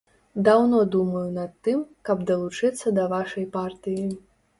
Даўно думаю над тым, каб далучыцца да вашай партыі.